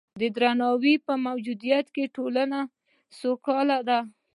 د درناوي په موجودیت کې ټولنه سوکاله ده.